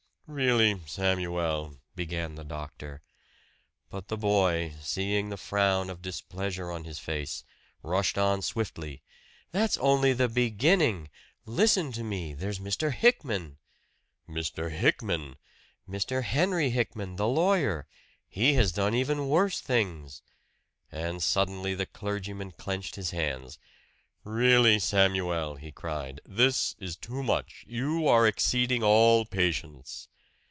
"Really, Samuel " began the doctor. But the boy, seeing the frown of displeasure on his face, rushed on swiftly. "That's only the beginning! Listen to me! There's Mr. Hickman!" "Mr. Hickman!" "Mr. Henry Hickman, the lawyer. He has done even worse things " And suddenly the clergyman clenched his hands. "Really, Samuel!" he cried. "This is too much! You are exceeding all patience!"